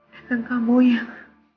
dengan kamu yang